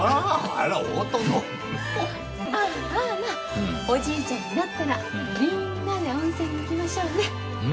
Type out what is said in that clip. まあまあまあおじいちゃんになったらみんなで温泉に行きましょうね。